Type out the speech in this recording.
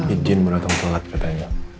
izin mau datang telat katanya